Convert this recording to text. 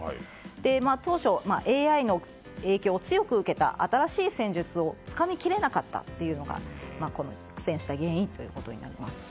当初、ＡＩの影響を強く受けた新しい戦術をつかみきれなかったというのが苦戦した原因といわれています。